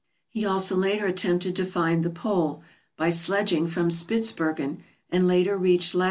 He also later attempted to find the pole, by sledging from Spitzbergen, and reached lat.